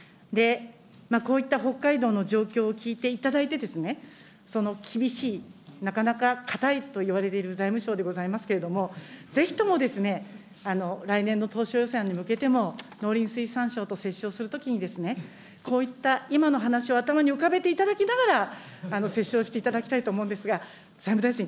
こういった北海道の状況を聞いていただいて、その厳しい、なかなかかたいといわれている財務省でございますけれども、ぜひとも来年の当初予算に向けても、農林水産省と折衝をするときに、こういった今の話を頭に浮かべていただきながら、折衝していただきたいと思うんですが、財務大臣、